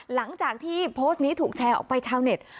หลังจากที่โพสต์นี้ถูกแชร์ออกไปชาวเน็ต